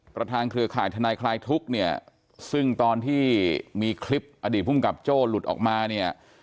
เครือข่ายทนายคลายทุกข์เนี่ยซึ่งตอนที่มีคลิปอดีตภูมิกับโจ้หลุดออกมาเนี่ย